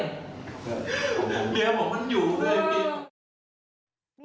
กูเบะบอกว่ามันอยู่